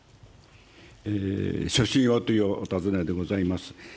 所信をというお尋ねでございます。